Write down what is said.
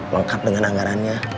lengkap dengan anggarannya